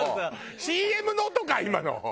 ＣＭの音か今の。